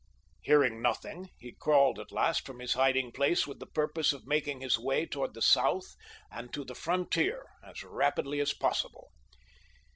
Hearing nothing, he crawled at last from his hiding place with the purpose of making his way toward the south and to the frontier as rapidly as possible.